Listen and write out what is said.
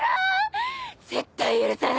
絶対許さない！